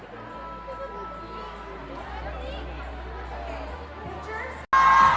ขอบคุณมากสวัสดีครับ